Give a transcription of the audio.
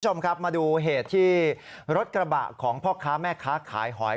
คุณผู้ชมครับมาดูเหตุที่รถกระบะของพ่อค้าแม่ค้าขายหอย